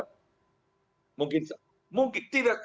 memang mungkin saja ada